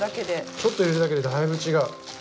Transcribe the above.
ちょっと入れるだけでだいぶ違う。